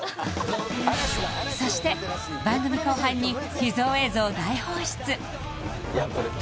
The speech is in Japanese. そして番組後半に秘蔵映像大放出！